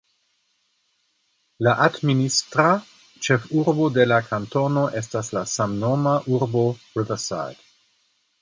La administra ĉefurbo de la kantono estas la samnoma urbo Riverside.